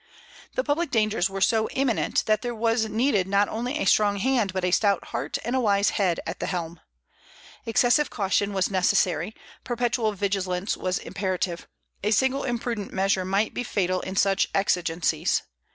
The public dangers were so imminent that there was needed not only a strong hand but a stout heart and a wise head at the helm. Excessive caution was necessary, perpetual vigilance was imperative; a single imprudent measure might be fatal in such exigencies.